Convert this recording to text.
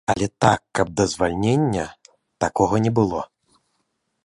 Але так, каб да звальнення, такога не было.